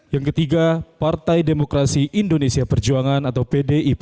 yang ketiga partai demokrasi indonesia perjuangan atau pdip